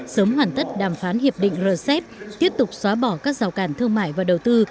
sớm hoàn tất đàm phán hiệp định rcep tiếp tục xóa bỏ các rào cản thương mại và đầu tư